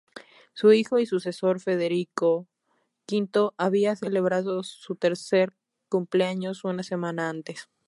Su hijo y sucesor, Federico V, había celebrado su tercer cumpleaños una semana antes.